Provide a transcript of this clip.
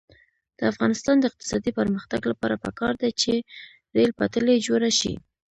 د افغانستان د اقتصادي پرمختګ لپاره پکار ده چې ریل پټلۍ جوړه شي.